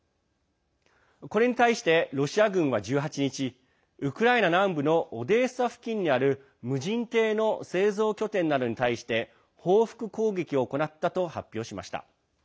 これに対して、ロシア軍は１８日ウクライナ南部のオデーサ付近にある無人艇の製造拠点などに対して報復攻撃を行ったと発表しました。